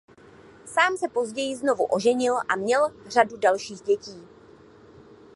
Sám se později znovu oženil a měl řadu dalších dětí.